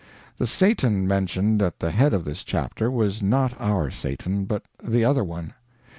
The Satan mentioned at the head of this chapter was not our Satan, but the other one.